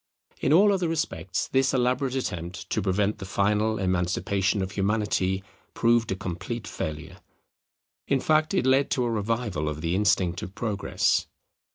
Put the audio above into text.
In all other respects this elaborate attempt to prevent the final emancipation of Humanity proved a complete failure; in fact, it led to a revival of the instinct of Progress.